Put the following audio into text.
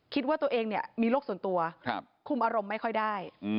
คิดว่าตัวเองมีโรคส่วนตัวคุมอารมณ์ไม่ค่อยได้